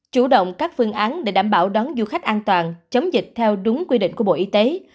chủ động các phương án để đảm bảo đón du khách an toàn chống dịch theo đúng quy định của bộ y tế